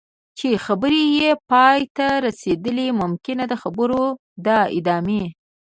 چې خبرې یې پای ته رسېدلي ممکن د خبرو د ادامې.